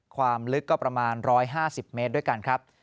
ความลึกก็ประมาณ๑๕๐เมตรด้วยกันครับ